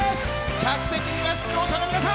客席には出場者の皆さん。